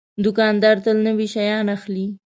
دوکاندار تل نوي شیان اخلي.